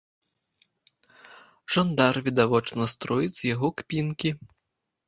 Жандар відавочна строіць з яго кпінкі!